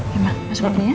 oke ma masuk dulu ya